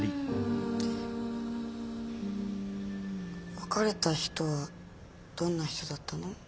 別れた人はどんな人だったの？